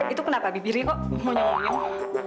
itu kenapa bibirnya kok menyenguling